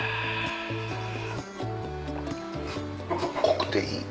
濃くていい。